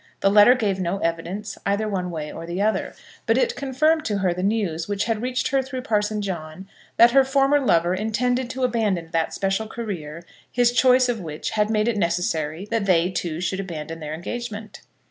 The letter gave no evidence either one way or the other; but it confirmed to her the news which had reached her through Parson John, that her former lover intended to abandon that special career, his choice of which had made it necessary that they two should abandon their engagement.